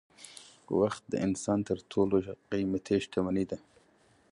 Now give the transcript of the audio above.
وخت د انسان تر ټولو قیمتي شتمني ده